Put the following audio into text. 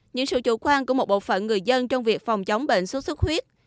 những sự chủ quan của một bộ phận người dân trong việc phòng chống bệnh sốt xuất huyết